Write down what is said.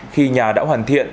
khi nhà đã hoàn thiện